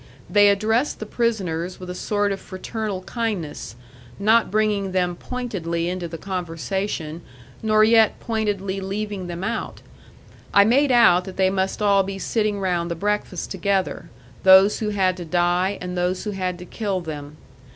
They addressed the prisoners with a sort of fraternal kindness, not bringing them pointedly into the conversation, nor yet pointedly leaving them out. I made out that they must all be sitting round the breakfast together, those who had to die and those who had to kill them.